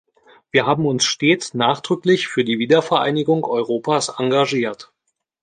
Wir haben uns stets nachdrücklich für die Wiedervereinigung Europas engagiert.